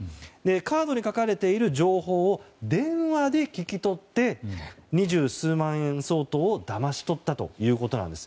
カードに書かれている情報を電話で聞き取って二十数万円相当をだまし取ったということです。